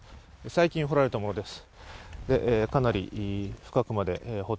最近掘られたものです。